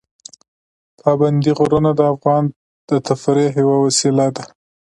پابندی غرونه د افغانانو د تفریح یوه وسیله ده.